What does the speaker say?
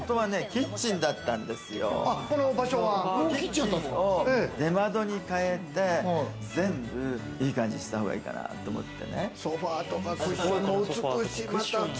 キッチンを出窓に変えて、全部いい感じにしたほうがいいかなと思ってね。